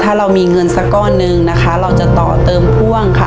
ถ้าเรามีเงินสักก้อนหนึ่งนะคะเราจะต่อเติมพ่วงค่ะ